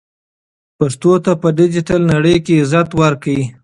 پښتو ته په ډیجیټل نړۍ کې عزت ورکړئ.